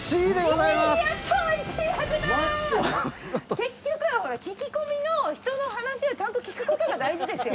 結局はほら聞き込みの人の話をちゃんと聞くことが大事ですよ